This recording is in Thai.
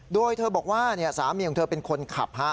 โดยเธอบอกว่าสามีของเธอเป็นคนขับ